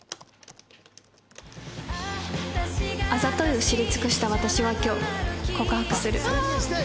あざといを知り尽くした私は今日告白する。